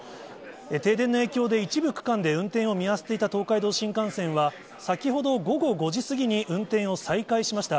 停電の影響で、一部区間で運転を見合わせていた東海道新幹線は、先ほど午後５時過ぎに、運転を再開しました。